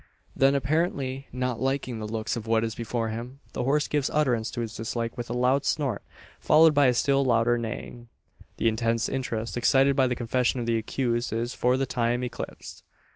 Then, apparently not liking the looks of what is before him, the horse gives utterance to his dislike with a loud snort, followed by a still louder neighing. The intense interest excited by the confession of the accused is for the time eclipsed.